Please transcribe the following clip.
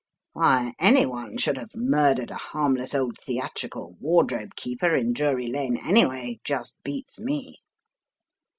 Why any one should have murdered a harmless old theatrical wardrobe keeper in Drury Lane anyway, just beats me."